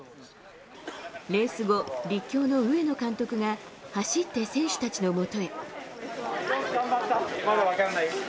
レース後、立教の上野監督が走って選手たちのもとへ。